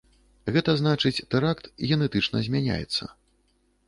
Гэта значыць тэракт генетычна змяняецца.